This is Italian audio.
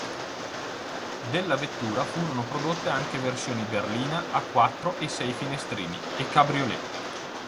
Della vettura furono prodotte anche versioni berlina a quattro e sei finestrini, e cabriolet.